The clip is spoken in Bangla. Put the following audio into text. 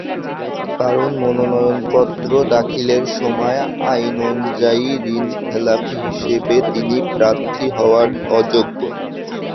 কারণ, মনোনয়নপত্র দাখিলের সময় আইনানুযায়ী ঋণখেলাপি হিসেবে তিনি প্রার্থী হওয়ার অযোগ্য।